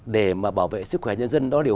để mà bảo vệ sức khỏe nhân dân đó điều